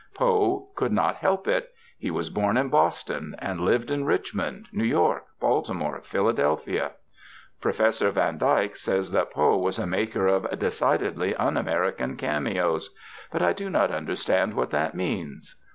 Poe could not help it. He was born in Boston, and lived in Richmond, New York, Baltimore, Philadelphia. Professor van Dyke says that Poe was a maker of "decidedly un American cameos," but I do not understand what that means.